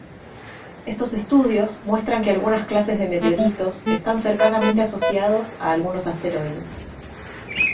Estos estudios muestran que algunas clases de meteoritos están cercanamente asociados a algunos asteroides.